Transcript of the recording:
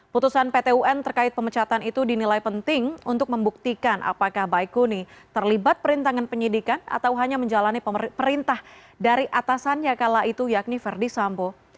putusan ptun terkait pemecatan itu dinilai penting untuk membuktikan apakah baikini terlibat perintangan penyidikan atau hanya menjalani perintah dari atasan yang kala itu yakni verdi sampo